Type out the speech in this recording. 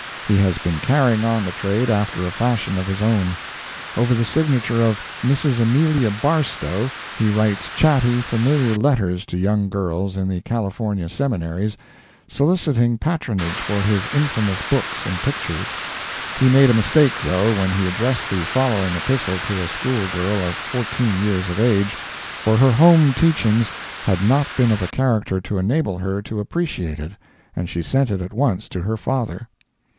He has been carrying on the trade after a fashion of his own. Over the signature of "Mrs. Amelia Barstow," he writes chatty, familiar letters to young girls in the California seminaries, soliciting patronage for his infamous books and pictures. He made a mistake, though, when he addressed the following epistle to a school girl of fourteen years of age, for her home teachings had not been of a character to enable her to appreciate it, and she sent it at once to her father.